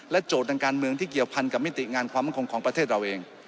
โจทย์ทางการเมืองที่เกี่ยวพันกับมิติงานความมั่นคงของประเทศเราเอง